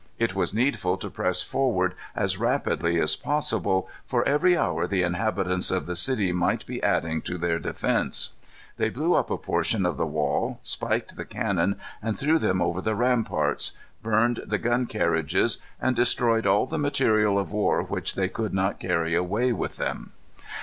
It was needful to press forward as rapidly as possible, for every hour the inhabitants of the city might be adding to their defences. They blew up a portion of the wall; spiked the cannon, and threw them over the ramparts; burned the gun carriages, and destroyed all the material of war which they could not carry away with them.